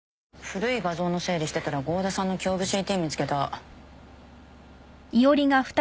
古い画像の整理してたら郷田さんの胸部ＣＴ見つけた。